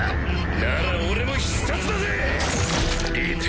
なら俺も必殺だぜ！